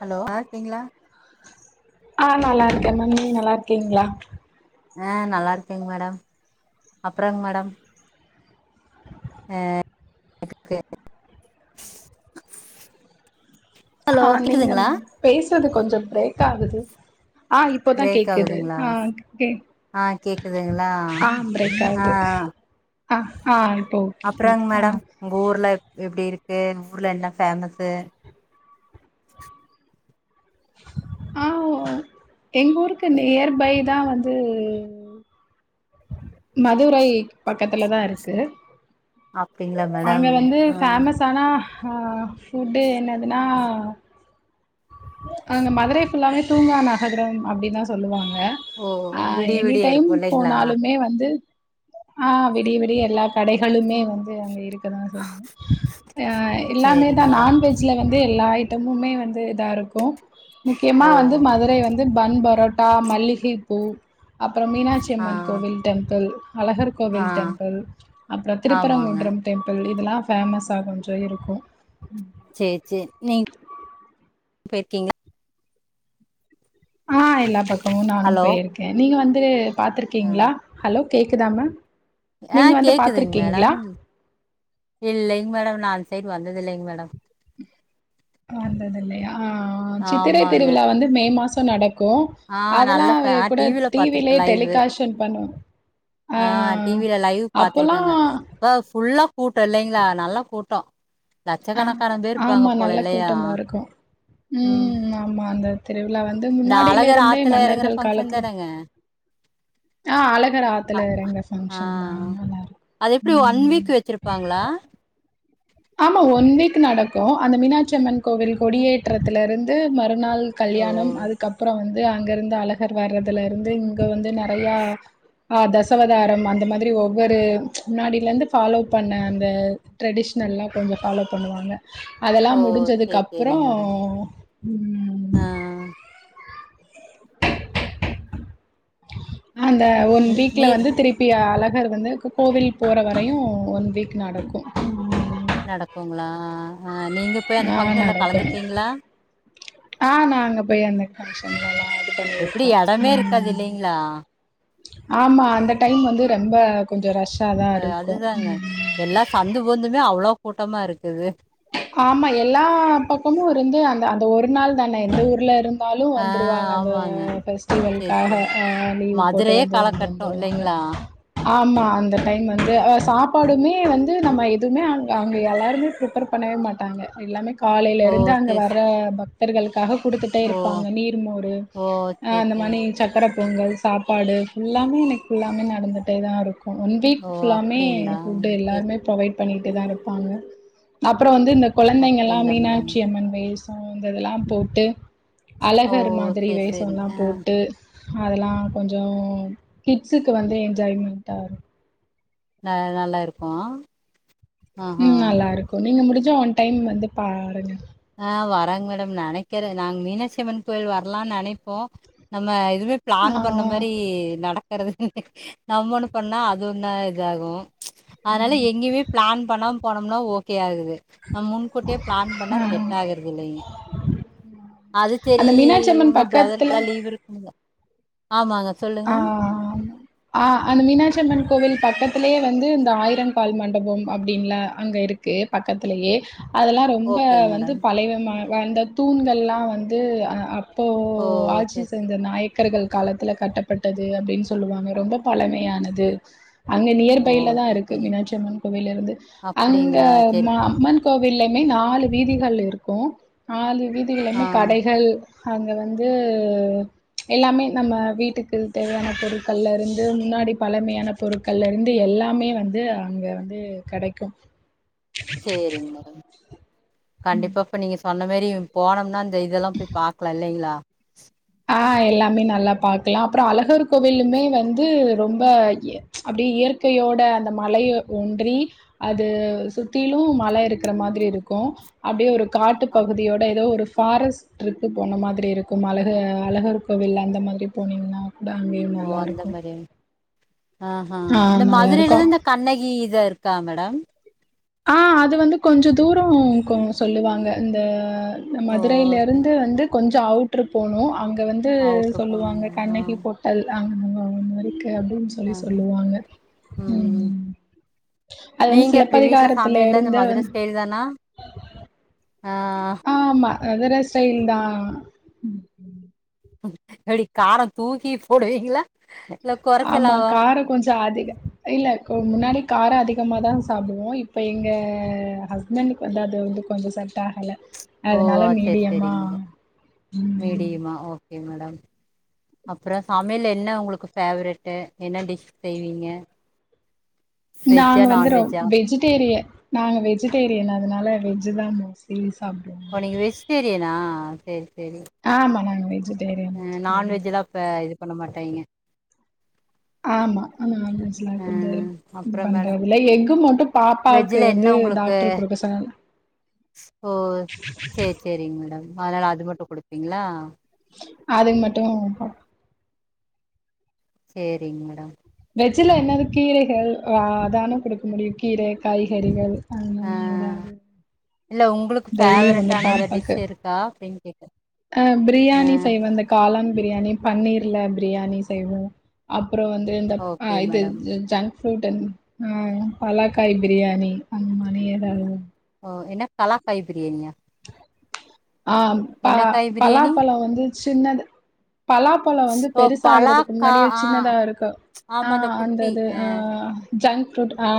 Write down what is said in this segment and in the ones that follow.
Hello நல்லா இருக்கீங்ளா ஆ நல்லாருக்க மேம் நீங்க நல்லாருக்கீங்ளா ஆ நல்லா இருக்கேங் மேடம் அப்றங் மேடம் ஆ ஹா நீங்க பேசுறது கொஞ்சோ பிரேக் ஆகுது ஆ இப்போதா பிரேக் கேக்குது ஆகுதுங்களா ஹா ஓகே ஆ கேக்குதுங்ளா ஆ ஆகுது ஆ ஹா இப்போ ஓகே அப்றோங் கேக்குது ஆ மேடம் உங்க ஊர்ல எப்டி இருக்கு ஊர்ல என்ன ஃபேமஸு ஆ எங் ஊருக்கு நியர் பை தா வந்து மதுரை பக்கத்துல தா இருக்கு அப்டிங்ளா மேடம் ஆ தனா ஹா ஃபுட்டு என்னதுன்னா அங்க மதுரை ஃபுல்லாவே தூங்கா நகரம் அப்டி தா சொல்லுவாங்க ஓ அ விடிய எனி விடிய டைம் இருக்கு இல்லைங்களா போனாலுமே வந்து ஆ விடிய விடிய எல்லா கடைகளுமே வந்து அங்க இருக்கு எதனாலு சொல்லுங்க ஆ எல்லாமே தா சேரிங்க மேடம் நான்வெஜ்ல வந்து எல்லா ஐட்டமுமே வந்து நல்லா இருக்கும் முக்கியமா ஓ வந்து மதுர மதுரை வந்து பன் பரோட்டா மல்லிகைப்பூ அப்பறம் மீனாட்சி ஆ அம்மன் கோவில் டெம்பிள் அழகர் ஆ கோவில் டெம்பிள் அப்பறம் ஆமாங்க திருப்பரங்குன்றம் டெம்பிள் இதெல்லா ஃபேமஸ்ஸா கொஞ்சோ இருக்கு சேர் சேர் நீங் போய்ருக்கீங் ஆ எல்லா பக்கமு நானு ஹலோ போயிருக்க நீங்க வந்து ஆ பாத்துருக்கீங்ளா ஹலோ கேக்குதா மேம் ஆ நீங்க வந்து கேக்குதுங்க பாத்துருக்கீங்களா மேடம் இல்லைங்க மேடம் நா அந்த சைடு வந்தது இல்லைங்க மேடம் வந்தது இல்லையா சித்திரை ஆமாங்க திருவிழா வந்து மே மாசம் நடக்கு ஆ அதெல்லா நல்ல ஃபே ஆ கூட டிவில டிவிலயே பாத்துருக்கேன் லைவு. டெலிகாஸ்ஸன் பண்ணுவோ ஆ டிவில லைவ் பாத்துருக்கங்க ஃபுல்லா கூட்டம் இல்லைங்ளா நல்லா கூட்டம் ஆ லட்சக்கணக்கான பேருப்பாங்க ஆமா போல நல்ல இல்லையா? கூட்டமா இருக்கு ம் ஆமா அந்த திருவிழா வந்து இந்த அழகர் முன்னாடிலிருந்தே ஆத்துல எறங்குற மன்னர்கள் ஃபங்க்ஷன் காலத்ல தானேங்க? அ ஆத்துல அ எறங்குற அ ஃபங்க்ஷன் தா நல்லா அதெப்பிடி இருக்கு ஒன் ம் வீக் வெச்சிருப் பாங்ளா? ஆமா ஒன் வீக் நடக்கு அந்த மீனாட்சிஅம்மன் கோவில் கொடியேற்றத்துலருந்து மறுநாள் ஓ! கல்யாணம் அதுக்கப்றோ வந்து அங்கருந்து அழகர் வர்றதுலருந்து இங்க வந்து நெறையா ஆ தசவதாரம் அந்த மாதிரி ஒவ்வொரு முன்னாடிலந்து ஃபாலோ பண்ண அந்த ட்ரெடிஷ்னல்லா கொஞ்சோ ஃபாலோ பண்ணுவாங்க அதெல்லா ஓ! சரி முடிஞ்சதுக்கப்றோ சரிங்க மேடம். ம். ஆ அந்த ஒரு நி வீக்ல நீ வந்து திருப் பி அழகர் வந்து க கோவில் போற வரையு ஒன் வீக் நடக்கு. நடக்குங்ளா அ நீங்க போய் அந்த ஆ ஃபங்க்ஷன்ல நடக்கும். கலந்துருப்பிங்ளா? ஆ நா அங்க போய் அந்த ஃபங்ஷன்ல்ல எல்லா இது எப்டி பண்ணிருக்கோ எடமே இருக்காது ம். இல்லைங்களா? ஆமா அந்த டைம் வந்து ரம்ப கொஞ்சோ ரஷ்ஷாதா அ இருக்கு. அதுதாங்க. எல்லா சந்து பொந்துமே அவ்வளோ கூட்டமா இருக்குது. ஆமா எல்லா பக்கமு இருந்து அந்த அந்த ஒரு நாள் தானே எந்த ஊர்ல இருந் தாலு ஆ வந்துடுவாங்க அந்த ஆமாங்க. சரி, ஃபெஸ்டிவல்க்காக சரி. அ லீவு போட்டு மதுரையே வந்து வந்து வந் காலகட்டம் துருவாங்க. இல்லைங்களா? ஆமா அந்த டைம் வந்து அ சாப்பாடுமே வந்து நம்ம எதுமே அங்க அங்க எல்லாருமே ப்ரிப்பர் பண்ணவே மாட்டாங்க எல்லாமே காலைல ஓ! இருந்து அங்க சரி, ச வர்ற பக் தர்களுக்காக குடுத்துட்டே ஓ! இருப்பாங்க நீர்மோரு ஓ! அ சரி, அந்த சரி. மானி சக்கர பொங்கல் சாப்பாடு ஃபுல்லாமே அன்னிக் ஃபுல்லாமே நடந்துட்டேதா இருக் ஒ ஒன் வீக் ஓ! ஃபுல்லாமே அப்படிங்களா? ஃபுட்டு சரி. எல்லாருமே ப்ரொவைட் பண்ணிட்டு தா இருப்பாங்க. அப்பறோ வந்து இந்த கொழந்தைங்க எல்லா அப்படிங்களா மேடம்? மீனாட்சி அம்மன் வேசோ இந்த இதெல்லாம் போட்டு ஓ! அழகர் மாதிரி சரி, வேசோ சரி. எல்லாம் ஆ போட்டு அதெல்லா கொஞ்சோ கிட்ஸுக்கு வந்து என்ஜாய்மெண்ட்டாரு அ நல்லா இருக்கு. ம் நல்லா இருக்கு நீங்க முடிஞ்ச ஒன் டைம் வந்து பாருங்க. அ வரங் மேடம் நெனைக்கிறே நாங் மீனாட்சிம்மன் கோவில் வர்லான் நெனைப்போ நம்ம எதுமே ஆ, பிளான் பண்ண மாரி நடக்கறது நம்ம ஒன்னு பண்ணா அது ஒன்னா இதாகு. அதனால எங்கிமே பிளான் பண்ணாம் போனம்னா ஓகே ஆகுது நம் முன்கூட்டியே பிளான் ஆ. பண்ணா செட்டாகறது இல்லைங்க அது செரி அந்த மீனாட்சி அம்மன் இவுங்க பக்கத்துல பிரதருக்லா லீவ் இரு [unintelligible] ஆமாங்க ஆ சொல்லுங்க. ஆ அந்த மீனாட்சியம்மன் கோவில் பக்கத்திலயே வந்து இந்த ஆயிரம் கால் மண்டபம் அப்டின்லா அங்க இருக் தே பக்கத்திலயே அதெல்லா ரொம்ப ஓகேங்க வந்து மேடம் பழைவ ம வந்த தூண்கள்ல்லா வந்து அ அப் போ ஓ ஆட்சி சரி செஞ்ச நாயக்கர்கள் காலத்துல கட்ட பட்டது அப்டின் சொல்லுவாங்க ரொம்ப பழமையானது. அங்க நியர் ஓ பைலதா சரி இருக்கு சரி மீனாட்சி அம்மன் கோவில்லிருந்து அங்க அப்படிங்களா சரி ம சரி. அம்மன்க் கோவில்லைமே நாலு வீதிகள் இருக்கு நாலு ஆ வீதிகள்லைமே கடைகள் அங்க வந்து எல்லாமே நம்ம வீட்டுக்கு டு தேவையான பொருட்கள்லருந்து மின்னாடி பழமியான பொருட்கள்லருந்து எல்லாமே வந்து அங்க வந்து கடைக்கு. சேரிங் மேடம் கண்டிப்பா இப்ப நீங்க ஸ் சொன்ன மேரி போனம்னா இந்த இதெல்லா போய் பாக்லா இல்லைங்ளா ஆ எல்லாமே நல்லா பாக்லா அப்றோ அழகர் கோவிலுமே வந்து ரொம்ப அப்டியே இயற்கையோட அந்த மலைய ஒன்றி அது சுத்திலு மல இருக்ற மாதிரி இருக்கு அப்டியே ஒரு காட்டுப் அப் பகுதியோட ஏதோ ஒரு ஃபாரஸ்ட்ரிப்பு போன மாதிரி இருக்கு மல து அழகர் கோவில் அந்த மாதிரி போனீங்ன்னா கூட அங்கயு நல்லாருக்கு ஆஹ இந்த நல்லா இருக்கு மதுரையிலதா இந்த கண்ணகி இத இருக்கா மேடம் ஆ அது வந்து கொஞ்சோ தூரோ கொ சொல்லுவாங்க இந்த ஓ சரி மதுரையிலருந்து வந்து கொஞ்சோ அவுட்ரு போனு அங்க வந்து அவுட்ரு சொல்லுவாங்க போனோங்க ஆ கண்ணகி போட் ட்டல் அங்க ஒன்னு இருக்கு அப்டின்னு சொல் சொல்லி ஆஹா சொல்லுவாங்க ம் ம் அது வந்து சில எப்டி வீட்ல சமையல்லா இந்த மதுர ஸ்டைல் தானா ஆ ஆமா மதுர ஸ்டைல் தா ம்ம் எப்டி காரோ தூக்கி போடுவிங்ளா ஆமா கார கொஞ்சோ அதிக இல்ல முன்னாடி காரோம் அதிகமாக தா சாப்டுவோ இப்போ எங்க ஹஸ்பண்ட் க்கு வந்து அது வந்து கொஞ்சோ செட் ஆகல ஓ அதனால செரி மீடியமா செரிங்க ம் மீடியமா ஓகே மேடம் அப்றோ சமையல் என்ன உங்ளுக்கு பேவரெட்டு என்ன டிஷ் செய்வீங்க [inaudible] நாங்க வந்து ரொம் நான்வெஜ்ஜா வெஜிடேரியன் நாங்க வெஜிடேரியன் அதனால வெஜ் தா மோஸ்லி சாப்டுவோ வெஜிடேரியன்னா சேரி சேரி ஆமா நாங்க வெஜ்ஜி ஆ நான்வெஜ்ல்லா இப்ப இது பண்ண மாட்டேங்க ஆமா நான்வெஜ்லா [unintelligible] இது அப்றோ மேடம் பண்றது இல்ல எஃகு மட்டு பாப்பாக்கு வெஜ்ஜுல வந்து என்ன உங்களுக்கு டாக்டர் குடுக்க சொன்னாங்க ஓ சேரி சேரிங்க மேடம் அதனால அது மட்டு குடுப்பீங்ளா அதுக்கு மட்டு கொடு சேரிங் மேடம் வெஜ்ல என்னது கீரைகள் ஆ அதான குடுக்க முடியு கீரை காய்கறிகள் அது ஆ மாரி ஏதாவ்து இல்ல உங்ளுக் ஃபேவ்ரட்டான ஏதா டிஷ் பாப்பாக்கு இருக்கா அப்டின்னு கேக்குறே அ பிரியாணி செய்வே இந்த காளான் பிரியாணி பன்னீர்ல பிரியாணி செய்வோ அப்றோ வந்து இந்த அ ஓகே இது மேடம் ஜங் ஃப்ரூட்டு ம் பலாக்காய் பிரியாணி அந்த மாரி ஏதாவது ஓ என்ன பலாக்காய் பிரியாணியா ஆ ப என்ன காய் பிரியாணி பலாப்பழோ வந்து சின்னது பலாப்பழோ வந்து ஓ பெருசாக்றதுக்கு பலாக்கா முன்னாடியே ஆ சின்னதாருக்கு ஆ ஆமா அந்த குட்டி அந்தது அ ஆ ஜங்க் ஃரூட் ஆ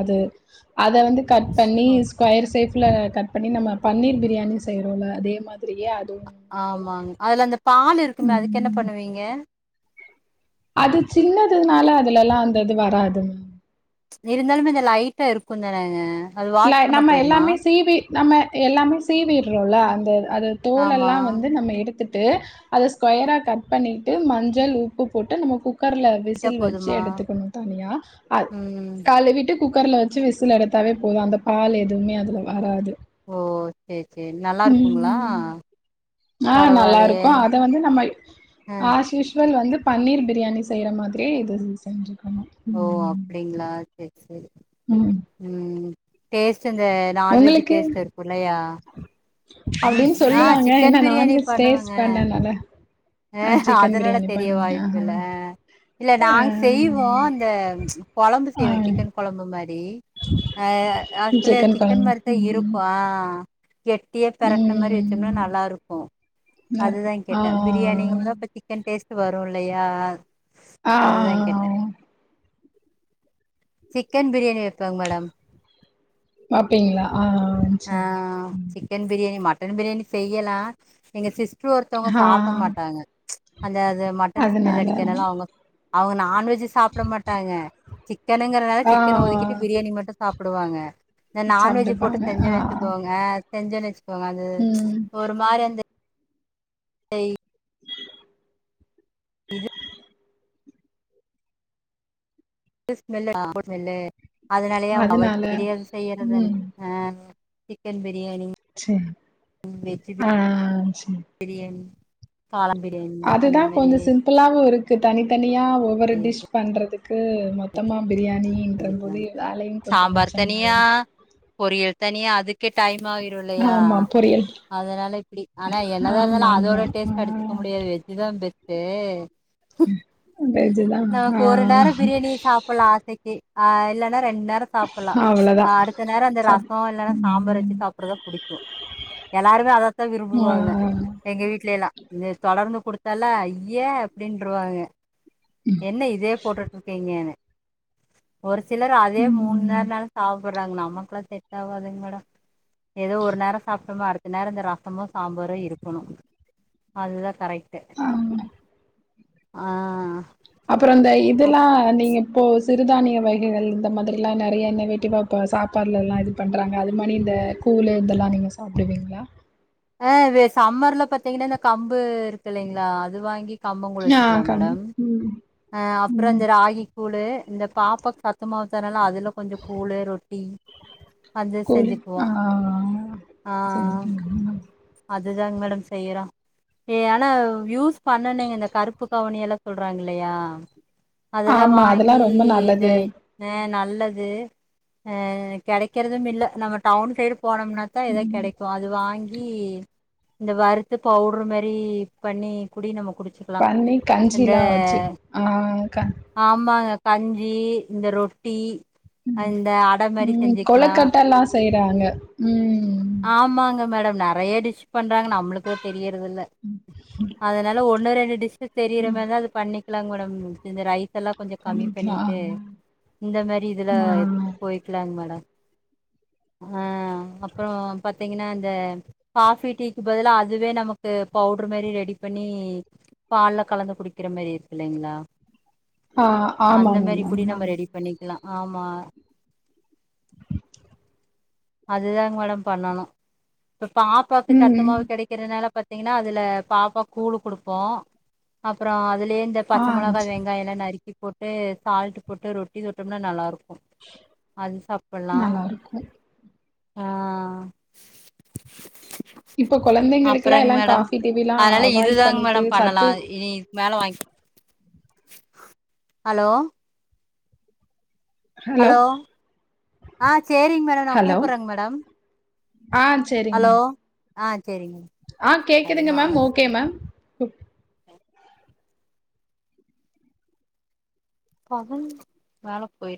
அது அத வந்து கட் பண்ணி சு ஸ்கொயர் ஷேப்ல கட் பண்ணி நம்ம பன்னீர் பிரியாணி செய்யிறோல அதே மாதிரியே அதுவு நல்லா இருக் ஆமாங்க அதுல அந்த பால் இருக்குமே அதுக்கு என்ன பண்ணுவீங்க அது சின்னதுனால அதுலல்லா அந்தது வராது. இருந்தாலுமே இந்த லைட்டா இருக்கும் தானங்க. அது இல்ல, வாஷ் பண்ணா நம்ம போயிருமா எல்லாமே சீவி நம்ம எல்லாமே சீவிடுறோம்ல அந்தது அந்த அது தோல் ஆமா எல்லாம் வந்து நம்ம எடுத்துட்டு, அத ஸ்கொயரா கட் பண்ணிட்டு மஞ்சள், உப்பு போட்டு நம்ம குக்கர்ல லைட்டா விசில் வச்சு போதுமா எடுத்துக்கணு தனியா, அத் ம் கழுவிட்டு குக்கர்ல வச்சு விசில் எடுத்தாவே போதும் அந்த பால் எதுவுமே அதுல வராது. ஓ செர் செர்ரி நல்லா இருக்குங்களா. ம். ஆ பரவாயில்லையே நல்லாருக்கும். அத வந்து நம்மை அ அஸ்யூஷுவல் வந்து பன்னீர் பிரியாணி செய்ற மாதிரியே இது செஞ்சுக்கணு ஓ அப்டிங்களா செர் செரி ம். ம் டேஸ்ட் இந்த நான்வெஜ் உங்களுக்கு? டேஸ்ட் இருக்கு இல்லையா அப்படின்னு ஆ சொல்லுவாங்க ஏன்னா சிக்கன் பிரியாணி நான்வெஜ் பண்ணுவ‌ங்க டேஸ்ட் பண்ணனால அ சிக்கன் அதுனால பிரியாணி தெரிய பண்ணுவீங்க வாய்ப்பு இல்ல ஆ ‌இல்ல நாங்க செய்வோ இந்த ஆ கொழம்பு செய்வேன் சிக்கன் கொழம்பு மாரி ஆ ஆக்சுவலி சிக்கன் குழம்பு மாரித்தான் ம், இருக்கும் கெட்டியா பெரட்ன மாதிரி வச்சோம்னா ம், நல்லாருக்கு நல்லா இருக்கு அதுதான் ஆ, கேட்டேன் பிரியாணி இல்ல இப்ப சிக்கன் டேஸ்ட் வரும் இல்லையா ஆ அதுதா கேட்டே சிக்கன் பிரியாணி வெப்பேங்க மேடம் பாப்பீங்களா ஆ ஆ செரி சிக்கன் பிரியாணி, மட்டன் பிரியாணி செய்யலா எங்க சிஸ்டர் ஒருத்தவங்க ஆ சாப்பட மாட்டாங்க. ச் அந்த அந்த மட்டன் ஸ்மெல் அதனால அடிக்கனால அவ்ங்க அவ்ங்க நான்வெஜ் சாப்ட மாட் டாங்க சிக்கனுங்கறனால ஆ சிக்கன ஒதுக்கிட்டு பிரியாணி மட்டு சாப்டுவாங்க. இந்த நான்வெஜ் போட்டு சாப்பிட்டுப்பாங்க ஆ செஞ்சேன் வச்சுக்கோங்க, செஞ்சேன்னு வச்சுக்கோங்க அது ம் ஒரு மாதிரி அந்த ஷை [inaudible] இது திஸ் ஸ்மெல்லுடா ஆ குட் ஸ்மெல்லு, அதனாலயே அவங்க அதனால அவாய்டு, தெரியாது செய்யறது தான ம் ஆ சிக்கன் பிரியாணி செர் வெஜ் ஆ செர் பிரியாணி, காளான் பிரியாணி அந்த மாதிரி புலாவ்வும் இருக்கு. தனித்தனியா ஒவ்வொரு டிஷ் பண்றதுக்கு மொத்தமா பிரியாணி இன் செஞ்சுக்கலாங்க தந்துரி வேலையு கொஞ்சோ மிச்ச சாம்பார் தனியா மாயிடுது. பொரியல் தனியா அதுக்கே டைம் ஆயி டும்லையா, ஆமா, பொரியல். அதனால இப்படி ஆனா என்னதா இருந்தாலும் ஆமாமா. அதோட ஆ டேஸ்டா இருக் இப்ப முடியாது. வெஜ்தா பெஸ்ட். வெஜ் தான். ஆ நமக்கு ஒரு நேரோ பிரியாணிய சாப்பிடலா கே ஆ இல்லனா ரெண்டு நே சாப்புலாம், அவ்வளோதான். அடுத்த நேரோ அந்த சப் ரசோ இல்லன்னா சாம்பார் ம். வச்சு சாப்படுறதா புடிக்குகே எல்லாருமே அதைத்தான் ஆ. விரும்புவாங்க. எங்க வீட்ல எல்லாம் நீ தொடர்ந்து கொடுத்தலே ஐயே அப்படின்ருவாங்க என்ன இதே போட்டுட்டு இருக்கீங்கன்னு ஒரு சிலர் அதே மூணு ம். நேரோ நாளு சாப்டுறாங்க. நமக்குல்லா செட் ஆகாதுங்க மேடம். ஏதோ ஒரு நேரோ சாப்ட்டமா அடுத்த நேரோ இந்த ரசமும் சாம்பாரும் இருக்கணு அதுதா கரெக்ட் ஆ. ஆ அப்றோ இந்த இதெல்லா நீங்க இப்போ சிறுதானிய வகைகள் இந்த மாதிரி எல்லா நெறைய இன்னோவேட்டிவா இப்போ சாப்பாலெல்லா இது பண்றாங்க அது மாரி இந்த கூழ் இதெல்லா நீங்க சாப்டுவீங்ளா ஆ இது சம்மர்ல பாத்தீங்கன்னா இந்த கம்பு இருக்கு இல்லைங்ளா அது வாங்கி கம்பங்கூழ் ஆ. வெச்சுக்கலாம் கம் மேடம் ம். அ அப்றோ ம். இந்த ராகி கூழு இந்த பாப்பாக்கு சத்தமாவுதரால்ல அதுல கொஞ்சோ கூழு ரொ ட்டி வந்து கோழி செஞ்சுக்குவோ ஆ ஆ செஞ்சுக்கங்க அதுதாங் மேடோ செய்றோ ஏ ஆனா யூஸ் பண்ணனேங்க இந்த கருப்பு கவுணி எல்லா சொல்றாங்கில்லையா அதெல்லா ஆமா அதெல்லா வாங்கி ரொம்ப இந்த நல்லது அ நல்லது அ கெடைக்கறதும் இல்ல நம்ம டவுன் சைடு போனம்னாத்தா எதோ ம் கெடைக்கு அது வாங் கி இந்த வறுத்து பவுடரு மாரி பண்ணி குடி நம்ம குடிச்சு பண்ணி கஞ்சியெல்லா வெச்சு ஆ ஆமாங்க கஞ்சி இந்த ரொட்டி இந்த அட மாரி ம் செஞ்சுக்கலா கொளக்கட்ட எல்லா செய்யறாங்க ம் ஆமாங்க மேடம் நெறையா டிஷ் பண்றாங்க நம்மளுக்குதா தெரியறதில்ல அ தனால ஒன்னு ரெண்டு டிஷ்ஷஸ் தெரியற மாரி இருந்தா அது பண்ணிக்கலாங் மேடம் இந்த ரைத்தெல்லா கொஞ்சோ கம்மி பண்ணிக்கலா பண்ணிட்டு இந்த மாதிரி இதுல ஆ போயி க்கலாங் மேடம் ஆ அப்றோ பாத்தீங்கன்னா இந்த காஃபி, டீக்கு பதிலா அதுவே நமக்கு பவுடர் மாரி ரெடி பண்ணி பால்ல கலந்து குடிக்கிற மாரி இருக்கில்லைங்ளா ஆ அந்த ஆமாங்க மாரி கூடி நம்ம மேம் ரெடி பண்ணிக்கலா ஆமா அதுதாங்க மேடம் பண்ணனு இப்ப பாப்பாக்கு ம் சத்துமாவு கெடை க்கறனால பாத்தீங்கன்னா அதுல பாப்பா கூலு குடுப்போ அப்றோ அதிலே இந்த ஆ பச்ச மொளகா, வெங்காயோ எல்லா நறுக்கி போட்டு சால்ட் போட்டு ரொட்டி சுட்டம்னா நல்லா இருக்கு அது சாப்பல்லா நல்லாருக்கு ஆ இப்போ கொழந்தைங்களுக்குல்லா அப்றங் எல்லா மேடம் காஃபி டீவிலா அதனால அவாய்ட் இதுதாங் பண்ணிட்டு மேடம் பண்ணலா சத்து இனி இதுக்கு மேல வாங் ஹலோ ஹலோ ஆ செரிங் மேடம் நா ஹலோ கூப்பறங் மேடம் ஆ ஹலோ ஆ சேரிங் அ கேக்குதுங்க மேம் ஓகே மேம் பதுன் வேல போய்